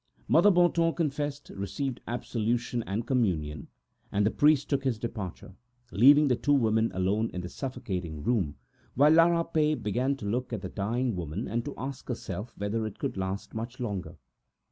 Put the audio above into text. Mother Bontemps confessed, received absolution and extreme unction, and the priest took his departure, leaving the two women alone in the suffocating cottage. La Rapet began to look at the dying woman, and to ask herself whether it could last much longer.